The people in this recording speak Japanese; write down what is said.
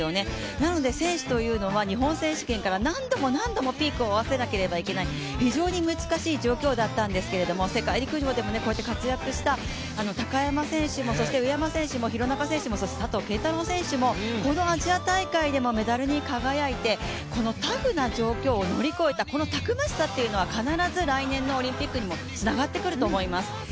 なので選手というのは日本選手権から何度も何度もピークを合わせなければいけない、非常に難しい状況だったんですけれども世界陸上でもこうやって活躍した高山選手もそして上山選手も、廣中選手もアジア大会でメダルに輝いてこのタフな状況を乗り越えたたくましさっていうのは必ず来年のオリンピックにもつながってくると思います。